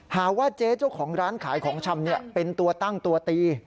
หาว่าเจ๊เจ้าของร้านขายของชำเป็นตัวตั้งตัวตี